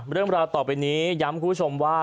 เรื่องราวต่อไปนี้ย้ำคุณผู้ชมว่า